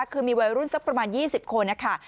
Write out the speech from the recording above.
คือมีวัยรุ่นสักประมาณ๒๐คนนะคะ